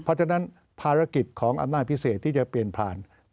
เพราะฉะนั้นภารกิจของอำนาจพิเศษที่จะเปลี่ยนผ่าน